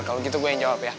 kalau gitu gue yang jawab ya